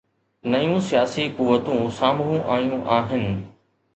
نيون سياسي قوتون سامهون آيون آهن.